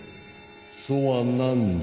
そは何ぞ。